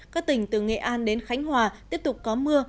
các tỉnh từ nghệ an đến khánh hòa tiếp tục có mưa